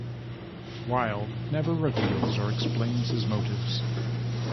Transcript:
Wilde never reveals or explains his motives.